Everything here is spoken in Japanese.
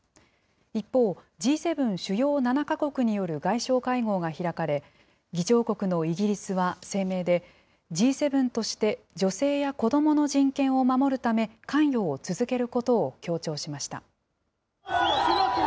一方、Ｇ７・主要７か国による外相会合が開かれ、議長国のイギリスは声明で、Ｇ７として女性や子どもの人権を守るため、関与を続けることを強調しました。